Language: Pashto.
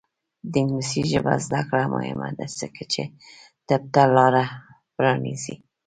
د انګلیسي ژبې زده کړه مهمه ده ځکه چې طب ته لاره پرانیزي.